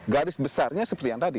garis besarnya seperti yang tadi